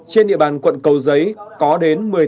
trên địa bàn quận cầu giấy có đến